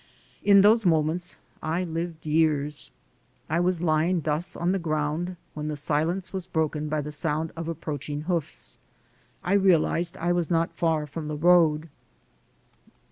In those moments I lived years. I was lying thus on the ground when the silence was broken by the sound of approaching hoofs. I realized I was not far from the road.